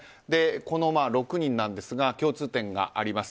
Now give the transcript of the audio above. この６人ですが共通点があります。